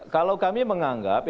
kalau kami menganggap